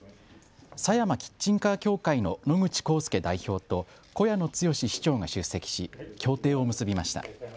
さやまキッチンカー協会の野口功祐代表と小谷野剛市長が出席し協定を結びました。